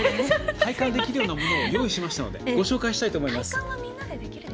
体感できるようなものを用意しましたのでご紹介します。